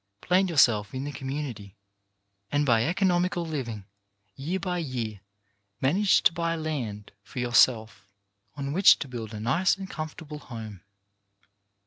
Plant yourself in the community, and by economical living, year by year, manage to buy land for yourself, on which to build a nice and comfortable home.